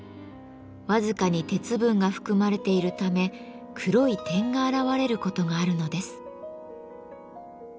僅かに鉄分が含まれているため黒い点が現れることがあるのです。